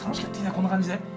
こんな感じで？